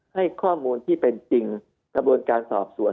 ให้ข้อมูลที่เป็นจริงกระบวนการสอบสวน